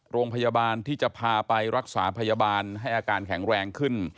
โรงพยาบาลที่จะพาไปรักษาพยาบาลให้อาการแข็งแรงขึ้น